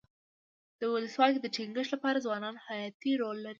د ولسواکۍ د ټینګښت لپاره ځوانان حیاتي رول لري.